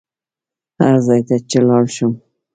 هر ځای ته چې لاړ شم.